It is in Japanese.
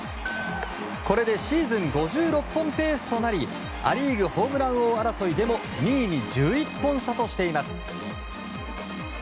これでシーズン５６本ペースとなりア・リーグホームラン王争いでも２位に１１本差としています。